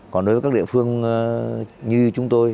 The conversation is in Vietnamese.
còn đối với các địa phương như chúng tôi